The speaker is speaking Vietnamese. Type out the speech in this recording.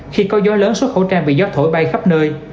khi có gió lớn số khẩu trang bị gió thổi bay khắp nơi